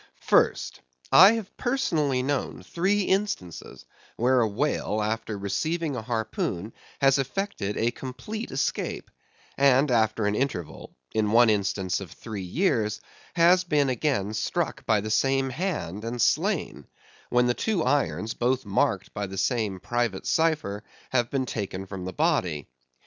First: I have personally known three instances where a whale, after receiving a harpoon, has effected a complete escape; and, after an interval (in one instance of three years), has been again struck by the same hand, and slain; when the two irons, both marked by the same private cypher, have been taken from the body.